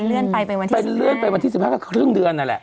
เลื่อนไปไปวันที่เป็นเลื่อนไปวันที่สิบห้าก็ครึ่งเดือนนั่นแหละ